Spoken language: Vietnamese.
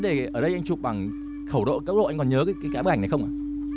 hiện tại em chụp bức ảnh vui xuân của đồng bào dân tộc mông ở huyện văn hồ tỉnh sơn la